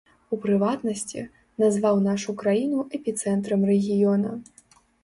У прыватнасці, назваў нашу краіну эпіцэнтрам рэгіёна.